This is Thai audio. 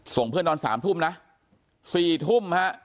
เพื่อนนอน๓ทุ่มนะ๔ทุ่มฮะ